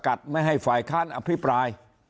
ไม่ให้ฝ่ายค้านอภิปราย